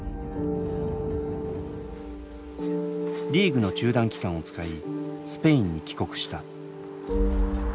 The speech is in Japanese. リーグの中断期間を使いスペインに帰国した。